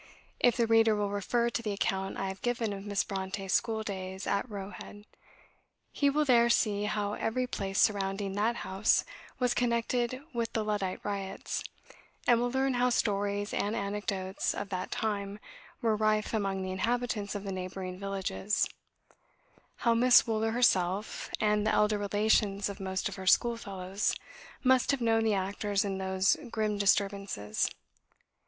If the reader will refer to the account I have given of Miss Brontë's schooldays at Roe Head, he will there see how every place surrounding that house was connected with the Luddite riots, and will learn how stories and anecdotes of that time were rife among the inhabitants of the neighbouring villages; how Miss Wooler herself, and the elder relations of most of her schoolfellows, must have known the actors in those grim disturbances.